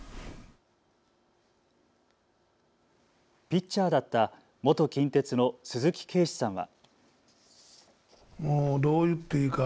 ピッチャーだった元近鉄の鈴木啓示さんは。